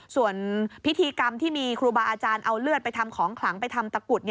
ส่วนพิธีกรรมที่มีครูบาอาจารย์เอาเลือดไปทำของขลังไปทำตะกุด